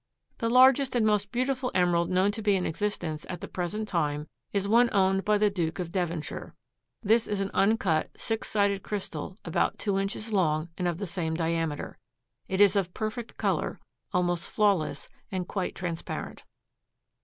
The largest and most beautiful emerald known to be in existence at the present time is one owned by the Duke of Devonshire. This is an uncut six sided crystal about two inches long and of the same diameter. It is of perfect color, almost flawless and quite transparent.